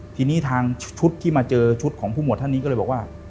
ทีนี้ทางชุดที่มาเจอชุดของผู้หวดท่านนี้ก็เลยบอกว่า